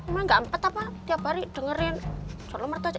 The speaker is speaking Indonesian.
emang nggak empat apa tiap hari dengerin calon mertua